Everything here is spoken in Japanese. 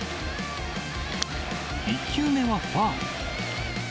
１球目はファウル。